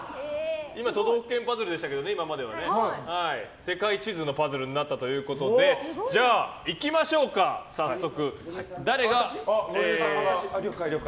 今までは都道府県パズルでしたけど世界地図のパズルになったということでいきましょうか、早速。